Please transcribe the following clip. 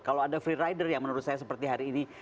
kalau ada freerider yang menurut saya seperti hari ini